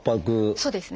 そうですね。